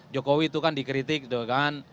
jokowi itu kan dikritik gitu kan